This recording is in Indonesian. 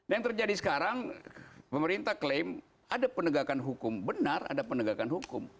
yang terjadi sekarang pemerintah klaim ada penegakan hukum benar ada penegakan hukum